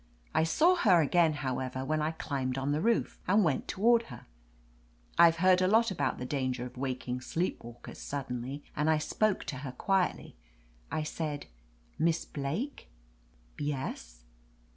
I saw her again, however, when I climbed on the roof, and went toward her. I've heard a lot about the danger of waking sleep walkers suddenly, and I spoke to her quietly. I said 'Miss Blake.' " "Yes?"